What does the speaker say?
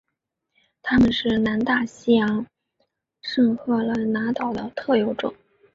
它们是南大西洋圣赫勒拿岛的特有种。